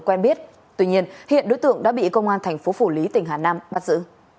quen biết tuy nhiên hiện đối tượng đã bị công an thành phố phủ lý tỉnh hà nam bắt giữ